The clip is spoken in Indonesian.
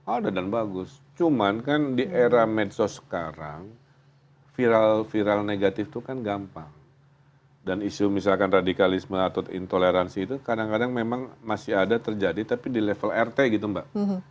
ada dan bagus cuman kan di era medsos sekarang viral viral negatif itu kan gampang dan isu misalkan radikalisme atau intoleransi itu kadang kadang memang masih ada terjadi tapi di level rt gitu mbak